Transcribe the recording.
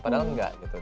padahal enggak gitu